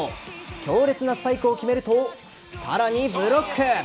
強烈なスパイクを決めるとさらにブロック。